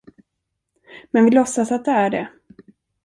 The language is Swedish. Men vi låtsas att det är det.